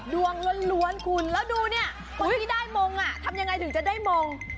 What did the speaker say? ดวงล้วนคุณแล้วดูเนี่ยคนที่ได้มงทำยังไงถึงจะได้มง